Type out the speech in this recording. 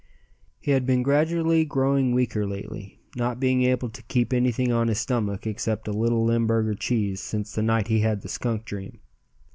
He had been gradually growing weaker lately, not being able to keep anything on his stomach except a little Limburger cheese since the night he had the skunk dream.